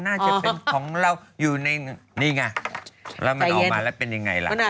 น่าจะเป็นของเราอยู่ในนี่ไงแล้วมันออกมาแล้วเป็นยังไงล่ะ